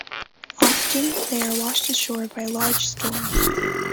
Often, they are washed ashore by large storms.